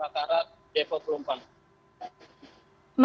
ya betul tadi baru satu lagi petugas menyevakuasi jenazah